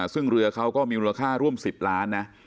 ซึ่งเรือเขาก็มีมูลค่าร่วม๑๐ล้านนะ